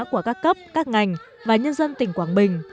của các cấp các ngành và nhân dân tỉnh quảng bình